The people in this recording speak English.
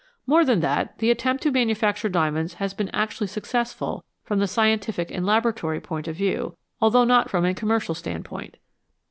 More than that, the attempt to manufacture diamonds has been actually successful from the scientific and laboratory point of view, although not from a commercial standpoint.